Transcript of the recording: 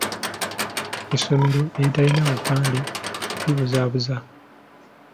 Essomero eritalina bupande libuzaabuza.